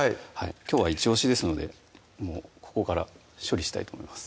きょうはイチオシですのでもうここから処理したいと思います